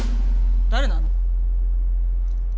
誰なの？